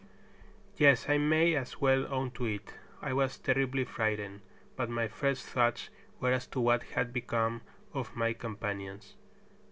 Yes, I may as well own to it: I was terribly frightened, but my first thoughts were as to what had become of my companions.